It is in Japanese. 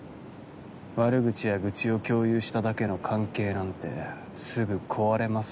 悪口や愚痴を共有しただけの関係なんてすぐ壊れます